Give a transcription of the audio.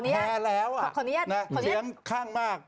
แพ้แล้วเสียงข้างมาก